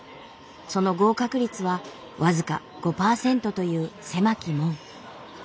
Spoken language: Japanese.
その合格率は僅か５％という狭き門。